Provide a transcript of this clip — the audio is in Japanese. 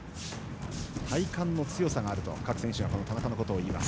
体幹の強さがあると、各選手はこの田中のことを言います。